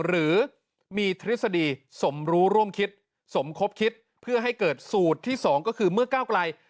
หรือมีทฤษฎีสมรู้ร่วมคิดสมคบคิดเพื่อให้เกิดสูตรที่๒ก็คือเมื่อก้าวไกล